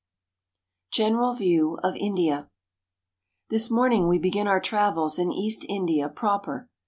GENERAL VIEW OF INDIA THIS morning we begin our travels in East India proper.